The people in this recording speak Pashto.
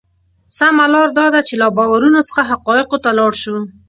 سمه لار دا ده چې له باورونو څخه حقایقو ته لاړ شو.